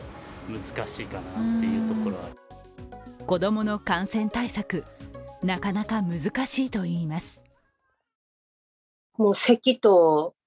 子供の感染対策、なかなか難しいといいます。